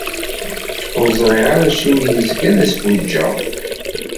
Ur ẓriɣ ara acimi yezga d asfuǧǧeɣ?